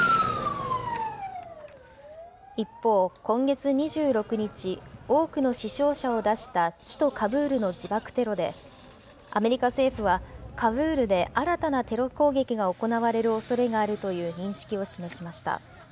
一方、今月２６日、多くの死傷者を出した首都カブールの自爆テロで、アメリカ政府はカブールで新たなテロ攻撃が行われるおそれがあるという認識を示しました。